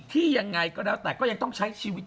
ยังไงก็แล้วแต่ก็ยังต้องใช้ชีวิต